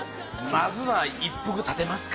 まずは一服たてますか。